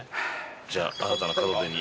じゃあ新たな門出に。